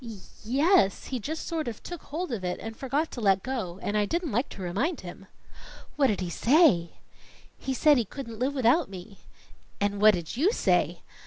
"Y yes. He just sort of took hold of it and forgot to let go, and I didn't like to remind him." "What did he say?" "He said he couldn't live without me." "And what did you say?"